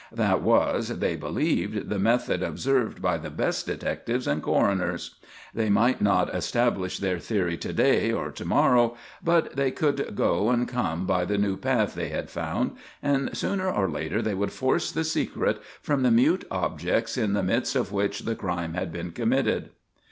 That was, they believed, the method observed by the best detectives and coroners. They might not establish their theory to day or to morrow, but they could go and come by the new path they had found, and sooner or later they would force the secret from the mute objects in the midst of which the crime had been committed.